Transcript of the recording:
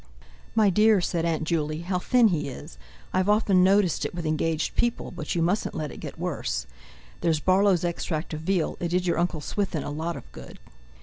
"My dear," said Aunt Juley, "how thin he is! I've often noticed it with engaged people; but you mustn't let it get worse. There's Barlow's extract of veal; it did your Uncle Swithin a lot of good."